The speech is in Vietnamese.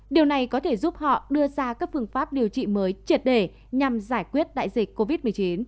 điều này có thể giúp họ đưa ra các phương pháp điều trị mới triệt để nhằm giải quyết đại dịch covid một mươi chín